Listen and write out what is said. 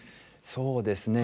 そうですね。